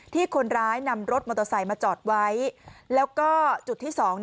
ที่คนร้ายนำรถมอเตอร์ไซค์มาจอดไว้แล้วก็จุดที่สอง